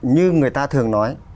như người ta thường nói